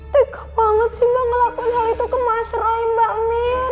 teka banget sih mbak ngelakuin hal itu ke mas rai mbak mir